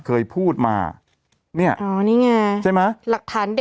เคยพูดมาเนี้ยอ๋อนี่ไงใช่ไหมฝ์ไหน